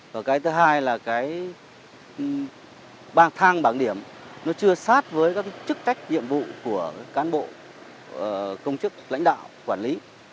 và cái thứ hai là cái bảng thang bảng điểm nó chưa sát với các chức trách nhiệm vụ của cán bộ công chức lãnh đạo quản lý